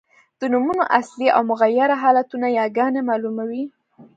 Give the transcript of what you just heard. د نومونو اصلي او مغیره حالتونه یاګاني مالوموي.